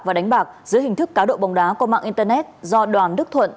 và đánh bạc dưới hình thức cáo độ bóng đá có mạng internet do đoàn đức thuận